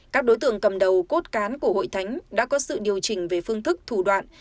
các đối tượng cầm đầu cốt cán của hội thánh đã có sự điều chỉnh về phương thức thủ đoạn